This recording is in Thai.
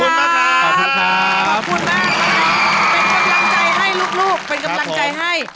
เป็นกำลังใจให้ลูกเป็นกำลังใจให้